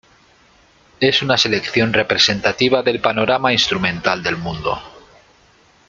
Es una selección representativa del panorama instrumental del mundo.